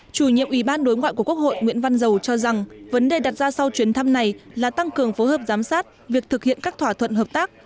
chủ nhiệm ủy ban đối ngoại của quốc hội nguyễn văn dầu cho rằng vấn đề đặt ra sau chuyến thăm này là tăng cường phối hợp giám sát việc thực hiện các thỏa thuận hợp tác